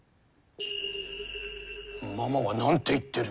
ママは何て言ってる？